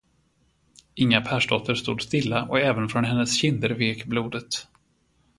Inga Persdotter stod stilla, och även från hennes kinder vek blodet.